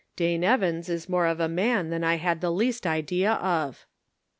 Dane Evans is more of a man thau I had the least idea of."